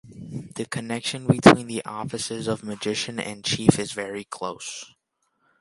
The connection between the offices of magician and chief is very close.